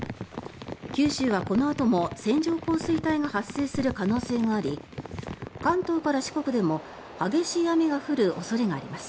九州はこのあとも、線状降水帯が発生する可能性があり関東から四国でも激しい雨が降る恐れがあります。